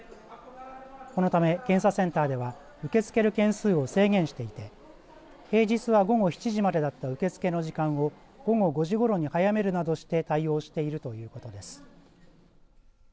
このため検査センターでは受け付ける件数を制限していて平日は午後７時までだった受け付けの時間を午後５時ごろに早めるなどして対応しているということです。